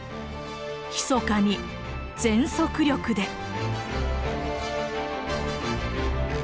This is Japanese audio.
ひそかに全速力で。